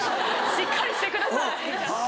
しっかりしてください！